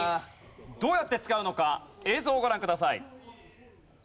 どうやって使うのか映像をご覧ください。